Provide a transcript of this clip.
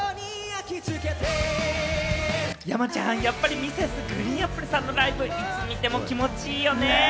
山ちゃん、やっぱＭｒｓ．ＧＲＥＥＮＡＰＰＬＥさんのライブ、いつ見ても気持ち良いよね。